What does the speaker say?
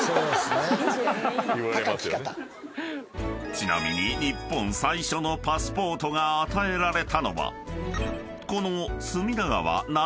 ［ちなみに日本最初のパスポートが与えられたのはこの］